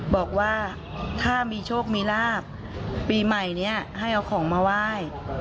บอกว่าถ้ามีโชคมีลาบปีใหม่นี้ให้เอาของมาไหว้